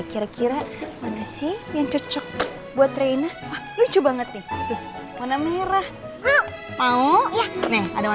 kira kira mana sih yang cocok buat reina lucu banget nih mana merah mau mau ada